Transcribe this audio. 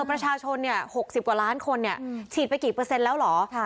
ประชาชน๖๐กว่าล้านคนฉีดไปกี่เปอร์เซ็นต์แล้วเหรอ